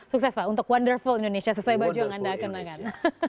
sukses pak untuk wonderful indonesia sesuai baju yang anda kenakan